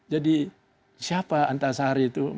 jadi siapa antasari itu